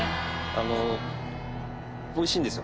あの美味しいんですよ